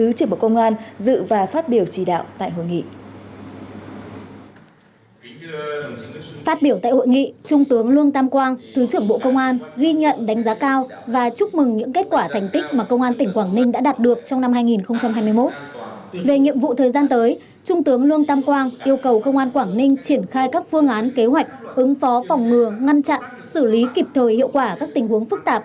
ứng phó phòng ngừa ngăn chặn xử lý kịp thời hiệu quả các tình huống phức tạp